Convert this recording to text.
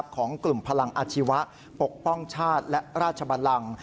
ของกลุ่มพลังอาชีวะปกป้องชาติและราชบันลัง